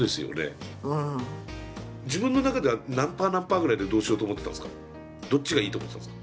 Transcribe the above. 自分の中では何パー何パーぐらいでどうしようと思ってたんですか？